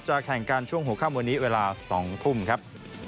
เราจะแข่งการช่วงหัวข้ามวันนี้เวลา๒ทุ่มครับ